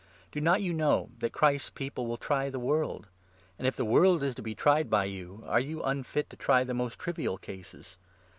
Do not you know that Christ's People will try the 2 world ? And if the world is to be tried by you, are you unfit to try the most trivial cases